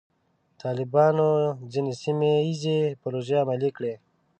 طالبانو ځینې سیمه ییزې پروژې عملي کړې.